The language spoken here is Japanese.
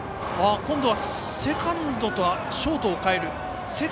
今度はセカンドとショートを変えます。